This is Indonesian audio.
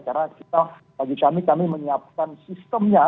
karena kita bagi kami kami menyiapkan sistemnya